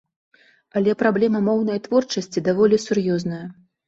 Але праблема моўнай творчасці даволі сур'ёзная.